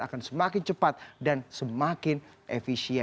akan semakin cepat dan semakin efisien